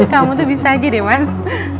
kamu tuh bisa aja deh mas